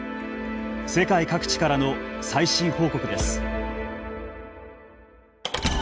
世界各地からの最新報告です。